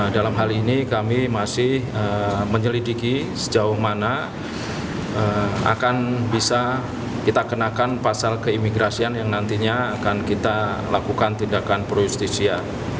dalam hal ini kami masih menyelidiki sejauh mana akan bisa kita kenakan pasal keimigrasian yang nantinya akan kita lakukan tindakan pro justisia